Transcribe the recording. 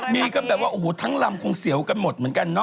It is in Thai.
มีกันแบบว่าโอ้โหทั้งลำคงเสียวกันหมดเหมือนกันเนอ